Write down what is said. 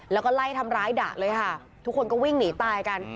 แล้วก็ไล่ทำร้ายดะเลยค่ะทุกคนก็วิ่งหนีตายกัน